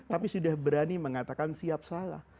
tapi sudah berani mengatakan siap salah